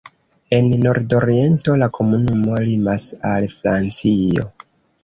En nordoriento la komunumo limas al Francio.